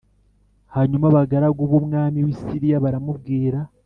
Hanyuma abagaragu b’umwami w’i Siriya baramubwira